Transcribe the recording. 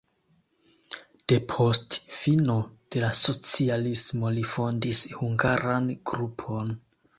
Depost fino de la socialismo li fondis hungaran grupon.